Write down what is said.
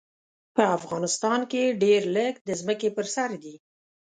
په افغانستان کې ډېر لږ د ځمکې په سر دي.